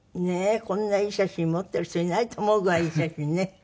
こんないい写真持ってる人いないと思うぐらいいい写真ね。